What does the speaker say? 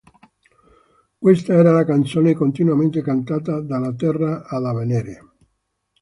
Questa era la canzone continuamente cantata dalla Terra e da Venere.